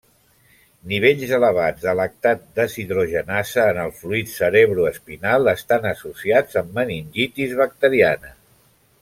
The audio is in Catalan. Nivells elevats de lactat deshidrogenasa en el fluid cerebroespinal estan associats amb meningitis bacteriana.